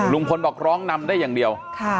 ลุงพลบอกร้องนำได้อย่างเดียว